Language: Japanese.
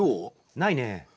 ないね。